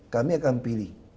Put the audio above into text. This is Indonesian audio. kami akan pilih